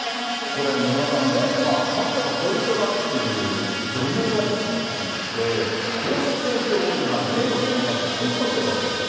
これ、野村さんね、かつての恋人だっていう女優がですよ、公職選挙法違反、名誉毀損などで告訴しているわけですよ。